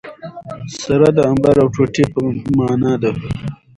سره د انبار او ټوټي په مانا ده.